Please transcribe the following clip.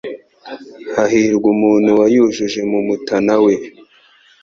Hahirwa umuntu wayujuje mu mutana we